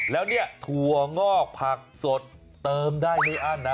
แล้วเนี่ยถั่วงอกผักสดเติมได้ไม่อั้นนะ